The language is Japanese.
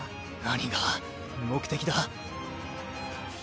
何が目的だ？